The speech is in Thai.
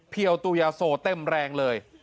เพียวตูยาโซเต็มแรงเลย